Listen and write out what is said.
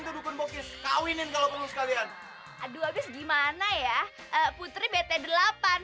dan mulai sekarang ktp